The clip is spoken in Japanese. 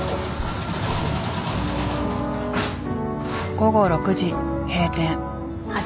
午後６時閉店。